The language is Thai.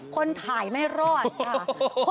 คนถ่ายไม่รอดค่ะ